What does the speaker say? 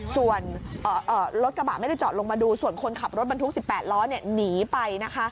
ส่วนรถกระบะไม่ได้จอดลงมาดูส่วนคนขับรถบรรทุก๑๘ล้อหนีไปนะคะ